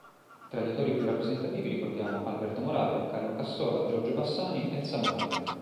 Tra gli autori più rappresentativi ricordiamo Alberto Moravia, Carlo Cassola, Giorgio Bassani, Elsa Morante.